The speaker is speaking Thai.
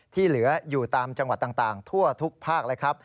ที่เหลืออยู่ตามจังหวัดต่างทั่วทุกภาคเลยครับ